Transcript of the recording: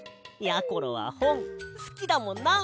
やころはほんすきだもんな。